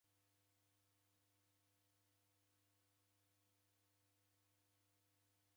Uhu mrighiti wadarighita makongo ghilemie kuhoa.